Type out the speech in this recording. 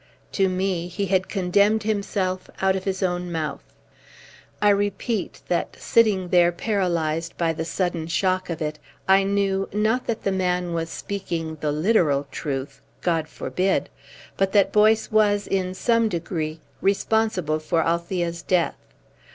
To me he had condemned himself out of his own mouth. I repeat that, sitting there paralysed by the sudden shock of it, I knew not that the man was speaking the literal truth God forbid! but that Boyce was, in some degree, responsible for Althea's death.